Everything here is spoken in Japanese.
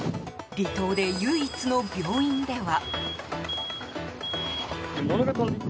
離島で唯一の病院では。